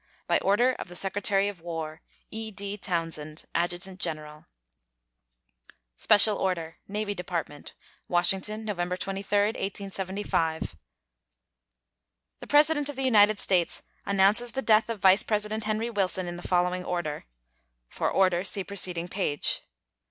By order of the Secretary of War: E.D. TOWNSEND, Adjutant General. SPECIAL ORDER. NAVY DEPARTMENT, Washington, November 23, 1875. The President of the United States announces the death of Vice President Henry Wilson in the following order: [For order see preceding page.